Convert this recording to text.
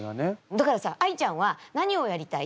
だからさあいちゃんは何をやりたい？